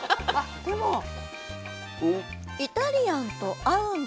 イタリアンと合うんだ。